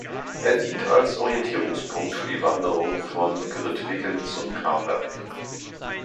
Er dient als Orientierungspunkt für die Wanderung von Grytviken zum Carr Valley.